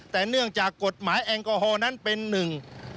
แต่เนื่องจากกฎหมายแอลกอฮอลนั้นเป็นหนึ่ง